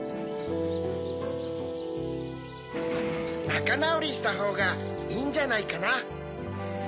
なかなおりしたほうがいいんじゃないかな？